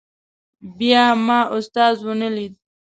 بیا ما استاد ونه لید.